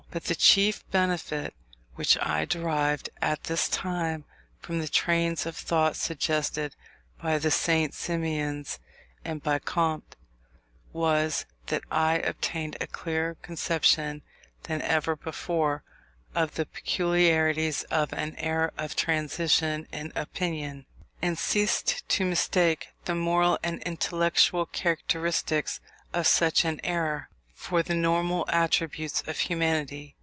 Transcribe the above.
But the chief benefit which I derived at this time from the trains of thought suggested by the St. Simonians and by Comte, was, that I obtained a clearer conception than ever before of the peculiarities of an era of transition in opinion, and ceased to mistake the moral and intellectual characteristics of such an era, for the normal attributes of humanity.